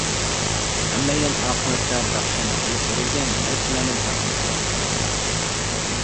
ھەممەيلەن ئاقىۋەتتە بەخشەندە قىلىپ بېرىلگەن نەرسىلەرنىڭ ھەقلىق جاۋابكارلىرى.